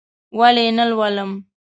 ولې یې نه لولم؟!